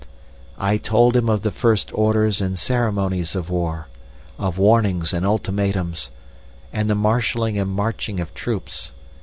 "I told him of the first orders and ceremonies of war, of warnings and ultimatums, and the marshalling and marching of troops.